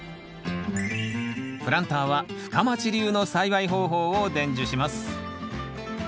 プランターは深町流の栽培方法を伝授します